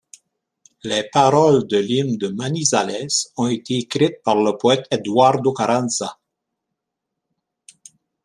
Les paroles de l'hymne de Manizales ont été écrites par le poète Eduardo Carranza.